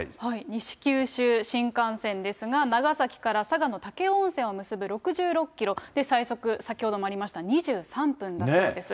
西九州新幹線ですが、長崎から佐賀の武雄温泉を結ぶ６６キロ、最速、先ほどもありました２３分だそうです。